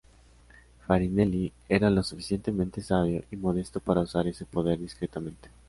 Farinelli era lo suficientemente sabio y modesto para usar ese poder discretamente.